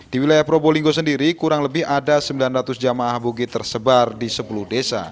di wilayah probolinggo sendiri kurang lebih ada sembilan ratus jamaah aboget tersebar di sepuluh desa